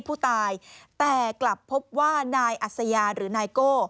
ผู้ตายแต่กลับพบว่านายอัศยาหรือนายโก้